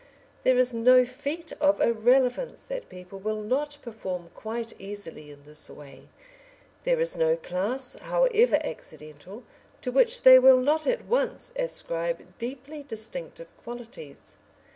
There is no feat of irrelevance that people will not perform quite easily in this way; there is no class, however accidental, to which they will not at once ascribe deeply distinctive qualities.